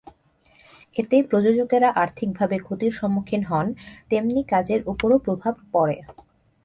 এতে প্রযোজকেরা আর্থিকভাবে ক্ষতির সম্মুখীন হন, তেমনি কাজের ওপরও প্রভাব পড়ে।